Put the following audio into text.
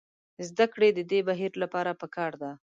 د زدکړې د دې بهیر لپاره پکار ده.